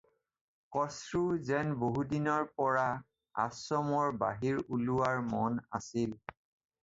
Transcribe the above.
কচৰো যেন বহুদিনৰ পৰা আশ্ৰমৰ বাহিৰ ওলোৱাৰ মন আছিল।